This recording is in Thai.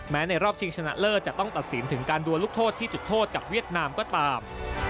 ในรอบชิงชนะเลิศจะต้องตัดสินถึงการดวนลูกโทษที่จุดโทษกับเวียดนามก็ตาม